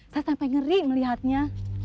saya sampai ngeri melihatnya